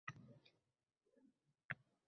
Million tom kitobga ega kutubxona.